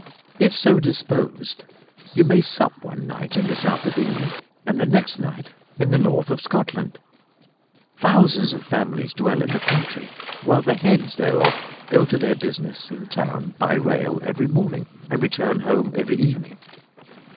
If so disposed you may sup one night in the south of England and the next night in the north of Scotland. Thousands of families dwell in the country, while the heads thereof go to their business in town by rail every morning and return home every evening.